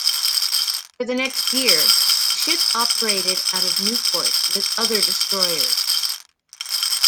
For the next year, the ship operated out of Newport with other destroyers.